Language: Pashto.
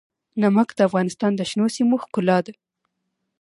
نمک د افغانستان د شنو سیمو ښکلا ده.